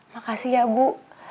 makasih ya bu